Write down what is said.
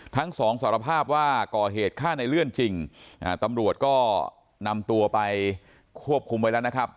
ทั้งสองสารภาพว่าก่อเหตุฆ่าในเลื่อนจริงตำรวจก็นำตัวไปควบคุมไว้แล้วนะครับ